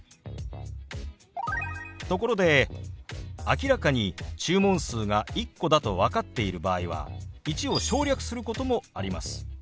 ところで明らかに注文数が１個だと分かっている場合は「１」を省略することもあります。